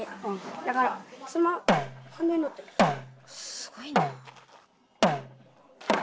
すごいなぁ。